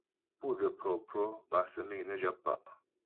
Pú də́ prɔ̌prɔ bâ səmi' nə́ jap pa'.